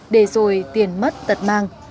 đề dồi tiền mất tật mang